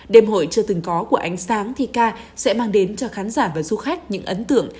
đêm hội chưa từng có của ánh sáng thi ca sẽ mang đến cho khán giả và du khách những ấn tượng